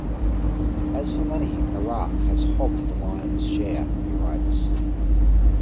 "As for money, Iraq has hogged the lion's share," he writes.